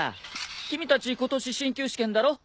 君たち今年進級試験だろう？